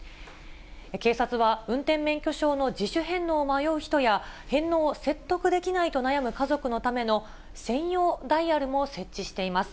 警察は運転免許証の自主返納を迷う人や、返納を説得できないと悩む家族のための専用ダイヤルも設置しています。